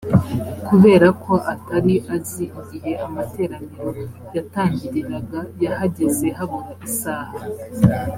kubera ko atari azi igihe amateraniro yatangiriraga yahageze habura isaha